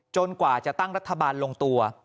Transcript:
กว่าจะตั้งรัฐบาลลงตัว